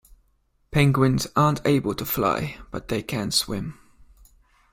Penguins aren't able to fly, but they can swim